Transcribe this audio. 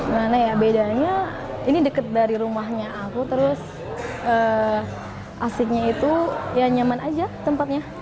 mana ya bedanya ini dekat dari rumahnya aku terus asiknya itu ya nyaman aja tempatnya